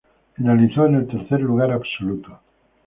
Finalizó en el tercer lugar absoluto.